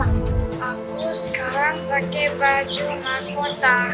aku sekarang pake baju ngak kota